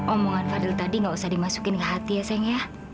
omongan fadil tadi nggak usah dimasukin ke hati ya sayang ya